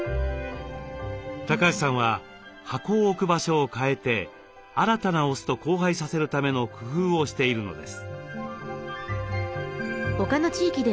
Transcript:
橋さんは箱を置く場所を変えて新たなオスと交配させるための工夫をしているのです。